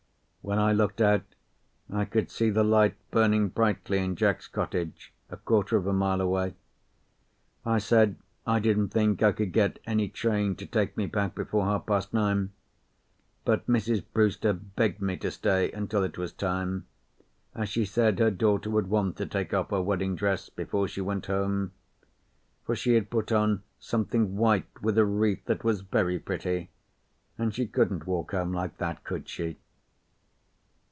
When I looked out I could see the light burning brightly in Jack's cottage, a quarter of a mile away. I said I didn't think I could get any train to take me back before half past nine, but Mrs. Brewster begged me to stay until it was time, as she said her daughter would want to take off her wedding dress before she went home; for she had put on something white with a wreath that was very pretty, and she couldn't walk home like that, could she?